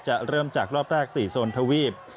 เริ่มจากรอบแรก๔โซนทวีป